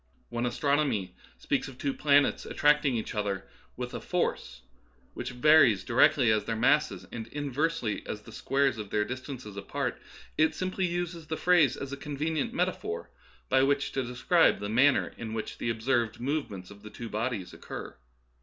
When astronomy speaks of two planets as attracting each other with a " force " which varies directly as their masses and inversely as the squares of their distances apart, it simply uses the phrase as a convenient metaphor by which to describe the manner in which the observed movements of the two bodies occur.